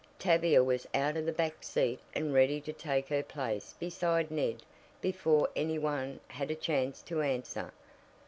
Tavia was out of the back seat and ready to take her place beside Ned before any one had a chance to answer.